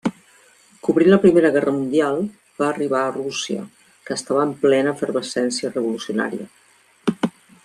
Cobrint la Primera Guerra mundial va arribar a Rússia, que estava en plena efervescència revolucionària.